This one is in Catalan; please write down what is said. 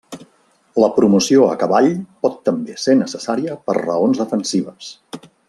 La promoció a cavall pot també ser necessària per raons defensives.